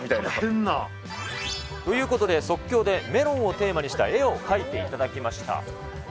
なんか。ということで、即興でメロンをテーマにした絵を描いていただきました。